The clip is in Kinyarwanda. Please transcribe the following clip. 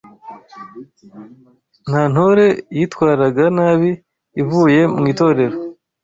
Nta ntore yitwaraga nabi ivuye mu itorero